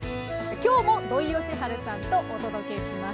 今日も土井善晴さんとお届けします。